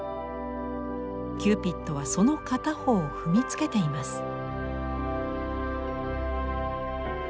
キューピッドはその片方を踏みつけています。